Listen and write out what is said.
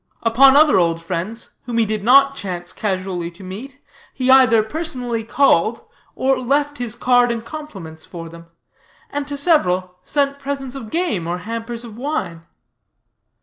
Upon other old friends, whom he did not chance casually to meet, he either personally called, or left his card and compliments for them; and to several, sent presents of game or hampers of wine.